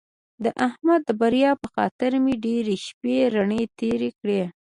د احمد د بریا په خطر مې ډېرې شپې رڼې تېرې کړې.